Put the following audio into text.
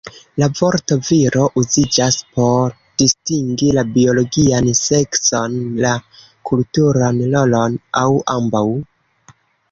La vorto "viro" uziĝas por distingi la biologian sekson, la kulturan rolon aŭ ambaŭ.